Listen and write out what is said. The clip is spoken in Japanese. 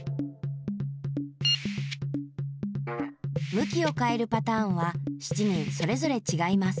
むきをかえるパターンは７人それぞれちがいます。